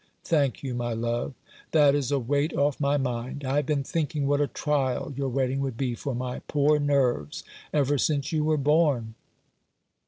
"Thank you, my love. That is a weight off my mind. I have been thinking what a trial your wedding would be for my poor nerves ever since you were born."